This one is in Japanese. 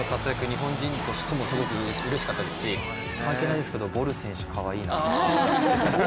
日本人としてもすごくうれしかったですし、関係ないですけどボル選手かわいいなと。